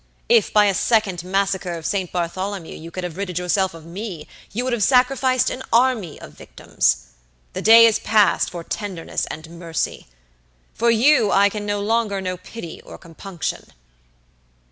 If by a second massacre of Saint Bartholomew you could have ridded yourself of me you would have sacrificed an army of victims. The day is past for tenderness and mercy. For you I can no longer know pity or compunction.